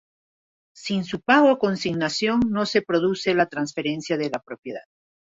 Sin su pago o consignación no se produce la transferencia de la propiedad.